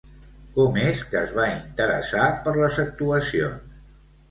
Com és que es va interessar per les actuacions?